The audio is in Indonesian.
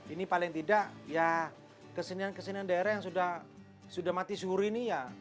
ini paling tidak kesenian kesenian daerah yang sudah mati suri ini